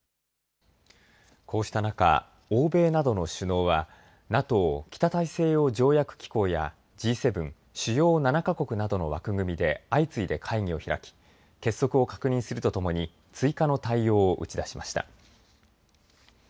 こうした中、欧米などの首脳はＮＡＴＯ・北大西洋条約機構やＧ７・主要７か国などの枠組みで相次いで会議を開き結束を確認するとともに追加の対応を打ち出しました。